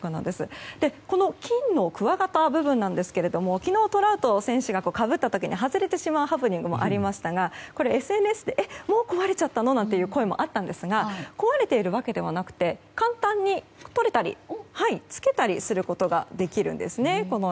この金のくわ形部分なんですけれども昨日、トラウト選手がかぶった時に外れてしまうハプニングもありましたがＳＮＳでもう壊れちゃったの？という声もあったんですが壊れているわけではなくて簡単に取れたりつけたりすることができるんですね。